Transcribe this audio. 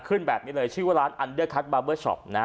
ขึ้นแบบนี้เลยชื่อว่าร้านอันเดอร์คัทบาร์เบอร์ช็อปนะฮะ